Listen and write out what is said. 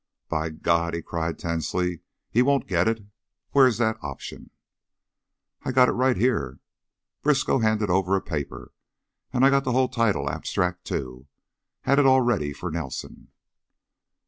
"By God!" he cried, tensely. "He won't get it. Where's that option?" "I got it right here." Briskow handed over a paper. "An' I got the hull title abstrack, too. Had it all ready for Nelson."